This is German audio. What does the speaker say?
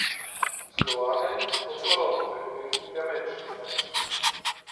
Sloane" und Oronte in "Der Menschenfeind".